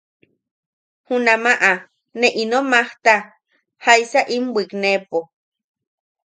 Junamaʼa ne ino majta, jaisa in bwikneʼepo.